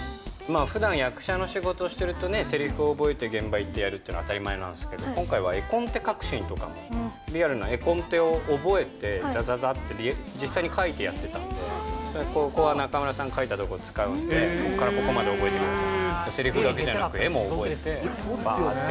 ふだん、役者の仕事をしてるとね、せりふを覚えて現場行ってやるっていうのは当たり前なんですけど、今回は絵コンテ描くシーンとかも、リアルな絵コンテを覚えて、ざざざって実際に描いてやってたんで、ここは中村さん描いたところ使うんで、ここからここまでおもえてください。